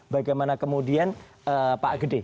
bagaimana kemudian pak gede